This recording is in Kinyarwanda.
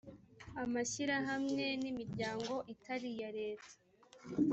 amashyirahamwe n’imiryango itari iya leta